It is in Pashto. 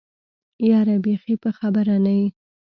يره بېخي په خبره نه يې.